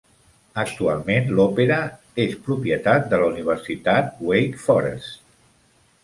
Actualment l'opera i és propietat de la Universitat Wake Forest.